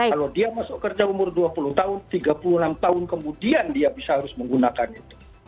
kalau dia masuk kerja umur dua puluh tahun tiga puluh enam tahun kemudian dia bisa harus menggunakan itu